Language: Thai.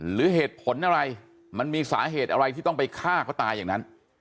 หรือเหตุผลอะไรมันมีสาเหตุอะไรที่ต้องไปฆ่าเขาตายอย่างนั้น